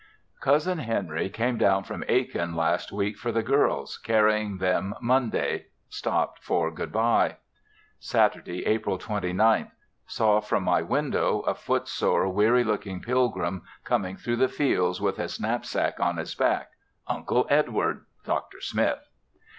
Cousin Henry came down from Aiken last week for the girls, carrying them Monday; stopped for good bye. Saturday, April 29th. Saw, from my window, a foot sore, weary looking pilgrim coming through the fields with his knapsack on his back Uncle Edward! (Dr. Smith).